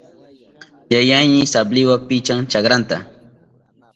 Yayayni sabliwa pichan chakranta.